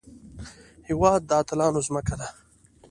هېواد د اتلانو ځمکه ده